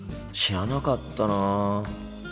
知らなかったなあ。